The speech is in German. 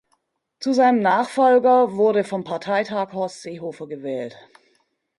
Zu seinem Nachfolger wurde vom Parteitag Horst Seehofer gewählt.